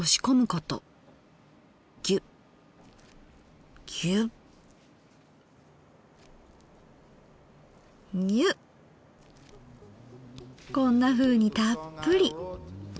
こんなふうにたっぷり。